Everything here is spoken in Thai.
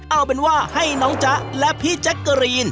เอาเป็นว่าให้น้องจ๊ะและพี่แจ๊กเกอรีน